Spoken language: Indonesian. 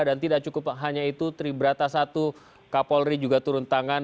tidak cukup hanya itu tribrata i kapolri juga turun tangan